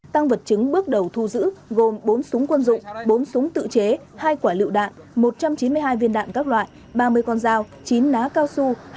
tăng vật chứng bước đầu thu giữ gồm bốn súng quân dụng bốn súng tự chế hai quả lựu đạn một trăm chín mươi hai viên đạn các loại ba mươi con dao chín ná cao su